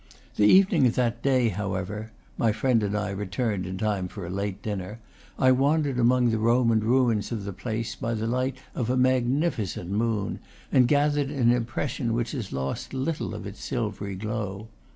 The even ing of that day, however (my friend and I returned in time for a late dinner), I wandered among the Roman remains of the place by the light of a magnificent moon, and gathered an impression which has lost little of its silvery glow.